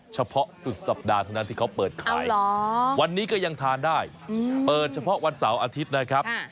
เฉพาะสุดสัปดาห์เท่านั้นที่เขาเปิดขายวันนี้ก็ยังทานได้เปิดเฉพาะวันเสาร์อาทิตย์นะครับ